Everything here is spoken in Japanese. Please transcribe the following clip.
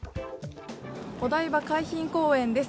お台場海浜公園です。